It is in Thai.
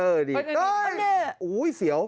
เออดีดโอ้โฮ้ยเสียว